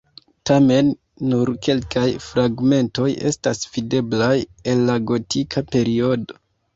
Tamen nur kelkaj fragmentoj estas videblaj el la gotika periodo.